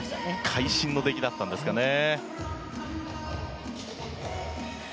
会心の出来だったんですかね。